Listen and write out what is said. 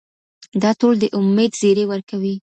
دا ټول د امید زیری ورکوي.